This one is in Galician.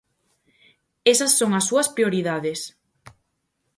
Esas son as súas prioridades.